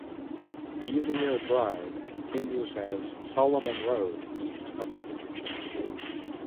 Beeliar Drive continues as Solomon Road east of the interchange.